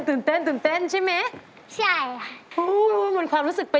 ดูหัวธรรมดอกจิตว่าจะชนได้หรือไม่